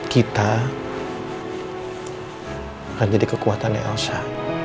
kita akan jadi kekuatannya elsa